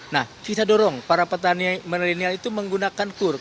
nah kita dorong para petani milenial itu menggunakan kur